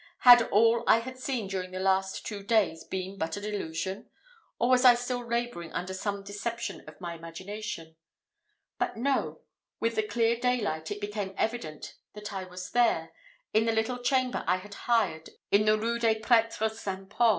Had all I had seen during the last two days been but a delusion, or was I still labouring under some deception of my imagination? But no! with the clear daylight it became evident that I was there in the little chamber I had hired in the Rue des Prêtres St. Paul.